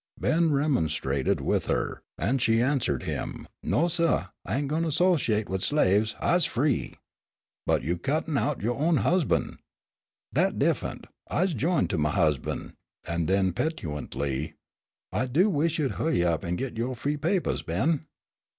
Ben remonstrated with her, and she answered him: "No, suh! I ain' goin' 'sociate wid slaves! I's free!" "But you cuttin' out yo' own husban'." "Dat's diff'ent. I's jined to my husban'." And then petulantly: "I do wish you'd hu'y up an' git yo' free papahs, Ben."